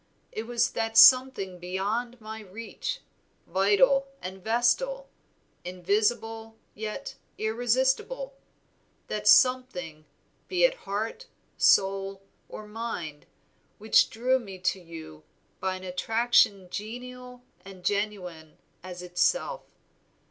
It was that something beyond my reach, vital and vestal, invisible, yet irresistible; that something, be it heart, soul, or mind, which drew me to you by an attraction genial and genuine as itself.